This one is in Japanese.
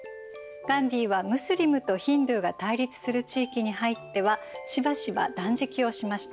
ガンディーはムスリムとヒンドゥーが対立する地域に入ってはしばしば断食をしました。